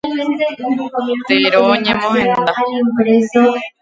Tero ñemohenda.